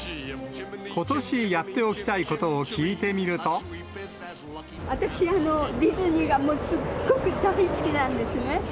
ことしやっておきたいことを聞い私、ディズニーがもう、すっごく大好きなんですね。